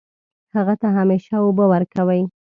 هغه ته همیشه اوبه ورکوئ